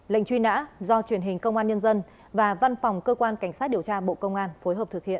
lệnh truy nã do truyền hình công an nhân dân và văn phòng cơ quan cảnh sát điều tra bộ công an phối hợp thực hiện